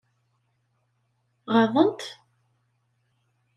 Ɣaḍen-tt?